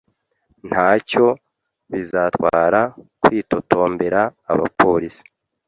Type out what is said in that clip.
Ntacyo bizatwara kwitotombera abapolisi